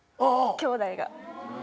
きょうだいが。